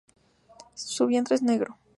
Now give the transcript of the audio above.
Su vientre es negro.